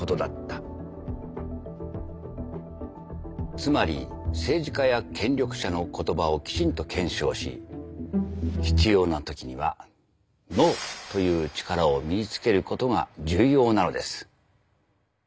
つまり政治家や権力者の言葉をきちんと検証し必要な時にはＮＯという力を身につけることが重要なのです。